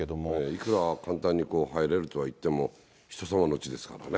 いくら簡単に入れるとはいっても、人様のうちですからね。